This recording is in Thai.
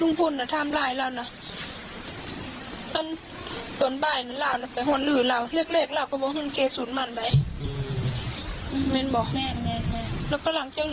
ยังทำให้ยังไหวนะนะครับไปสักพักนะพูดละบูนปุ่มขึ้นเนี่ยก็น้ำม